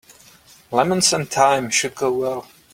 Lemons and thyme should go well.